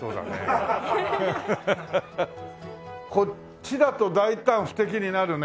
こっちだと大胆不敵になるね。